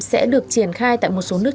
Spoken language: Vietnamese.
sẽ được triển khai tại một số nước